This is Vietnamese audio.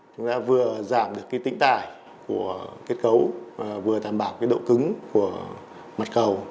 chúng ta vừa giảm được cái tĩnh tải của kết cấu vừa thảm bảo cái độ cứng của mặt cầu